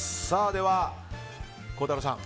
では、孝太郎さん。